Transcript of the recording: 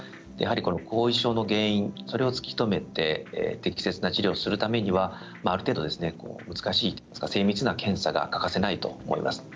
後遺症の原因、それを突き止めて適切な治療をするためにはある程度、難しい精密な検査が欠かせないと思います。